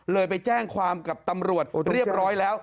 ไปแจ้งความกับตำรวจเรียบร้อยแล้ว